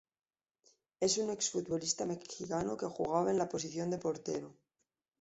Es un exfutbolista mexicano que jugaba en la posición de Portero.